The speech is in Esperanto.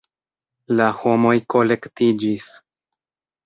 La homoj kolektiĝis.